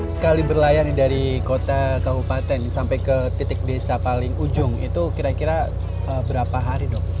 sekali berlayar dari kota kabupaten sampai ke titik desa paling ujung itu kira kira berapa hari dok